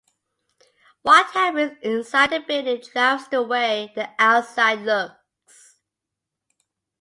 What happens inside the building drives the way the outside looks.